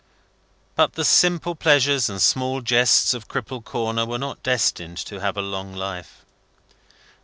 But, the simple pleasures and small jests of Cripple Corner were not destined to have a long life.